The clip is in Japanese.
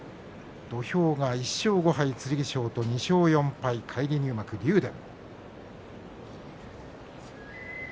土俵は１勝５敗の剣翔と２勝４敗、返り入幕の竜電。